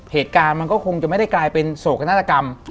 เหตุการณ์มันก็คงจะไม่ได้กลายเป็นโศกนาฏกรรม